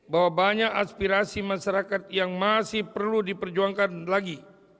bahwa banyak aspirasi masyarakat yang masih perlu diperjuangkan lagi